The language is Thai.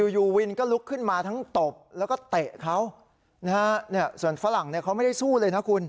อยู่วินก็ลุกขึ้นมาทั้งตบแล้วก็เตะเขานะฮะส่วนฝรั่งเขาไม่ได้สู้เลยนะคุณ